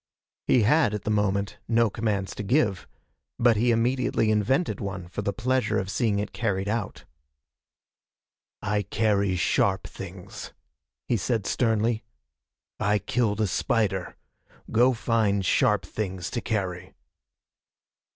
He had, at the moment, no commands to give, but he immediately invented one for the pleasure of seeing it carried out. "I carry sharp things," he said sternly. "I killed a spider. Go find sharp things to carry."